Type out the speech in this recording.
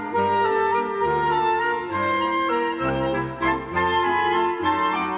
โปรดติดตามต่อไป